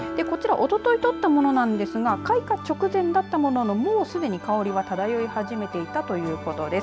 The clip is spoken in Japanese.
おととい撮ったものなんですが開花直前だったもののもうすでに香りはただよい始めていたというこです。